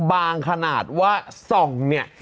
ขนาดว่าส่องเนี่ย